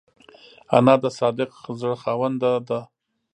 انا د صادق زړه خاوند ده